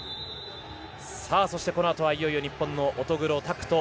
そして、このあとはいよいよ日本の乙黒拓斗